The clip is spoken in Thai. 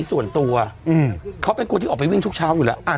ส่วนตัวเขาเป็นคนที่ออกไปวิ่งทุกเช้าอยู่แล้ว